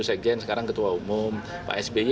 sekjen sekarang ketua umum pak sby